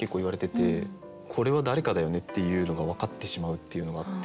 これは誰かだよねっていうのがわかってしまうっていうのがあって。